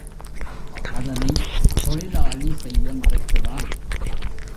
அதனைத் தொழிலாளி செய்ய மறுக்கிறான்.